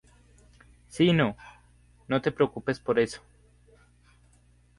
Si no, no te preocupes por eso.